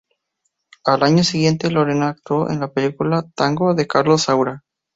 Al año siguiente Lorena actuó en la película "Tango" de Carlos Saura.